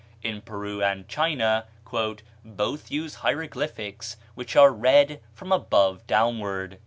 In Peru and China "both use hieroglyphics, which are read from above downward."